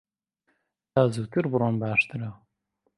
تا زووتر بڕۆن باشترە.